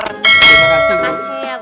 terima kasih bu